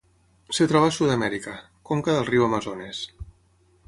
Es troba a Sud-amèrica: conca del Riu Amazones.